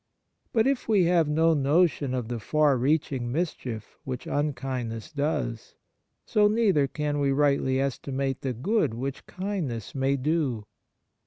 But if we have no notion of the far reaching mischief which unkindness does, so neither can we rightly estimate the good which kindness may do.